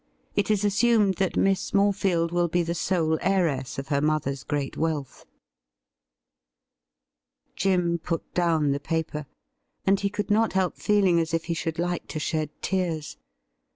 It is assumed that Miss Morefield will be the sole heiress of her mother's great wealth.' Jim put down the paper, and he could not help feeling as if he should like to shed tears.